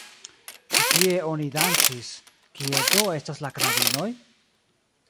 Ĉi tie oni dancis, kie do estas la knabinoj?